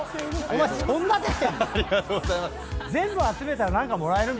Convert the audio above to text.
お前そんな出てんの⁉すごい。